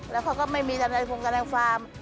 แล้วเขาก็ไม่มีในโครงการแนวฟาร์ม